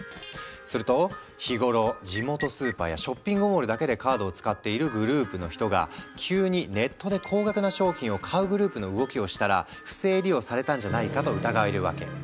すると日頃地元スーパーやショッピングモールだけでカードを使っているグループの人が急にネットで高額な商品を買うグループの動きをしたら不正利用されたんじゃないかと疑えるわけ。